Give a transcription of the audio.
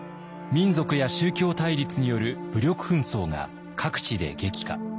民族や宗教対立による武力紛争が各地で激化。